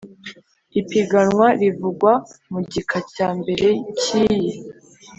ipiganwa rivugwa mu gika cya mbere cy iyi